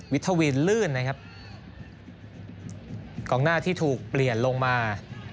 ทวีนลื่นนะครับกองหน้าที่ถูกเปลี่ยนลงมา